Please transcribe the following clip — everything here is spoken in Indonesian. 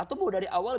atau mau dari awal